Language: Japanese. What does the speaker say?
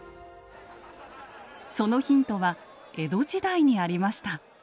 そのヒントは江戸時代にありました。